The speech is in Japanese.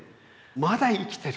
まだ生きてる。